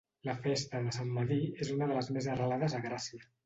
La festa de Sant Medir és una de les més arrelades a Gràcia.